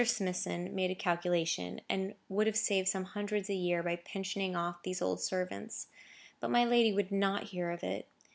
Smithson made a calculation, and would have saved some hundreds a year by pensioning off these old servants. But my lady would not hear of it.